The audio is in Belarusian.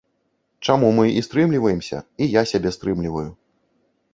Чаму мы і стрымліваемся, і я сябе стрымліваю.